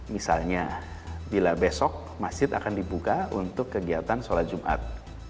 misalnya bila besok masjid akan dibuka untuk kegiatan sholat jumat